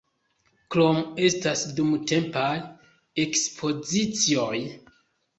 Krome estas dumtempaj ekspozicioj.